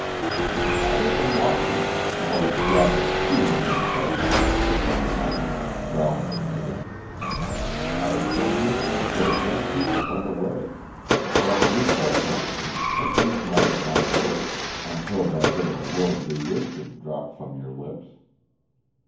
"I have been watching you, or rather feeling your presence for some time." Ralph admitted. "I have been here since those young people went away. But you said nothing; at least nothing I heard until that bit of worldly wisdom dropped from your lips."